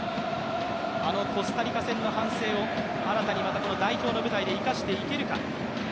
あのコスタリカ戦の反省を新たにこの代表の場面で生かしていけるか。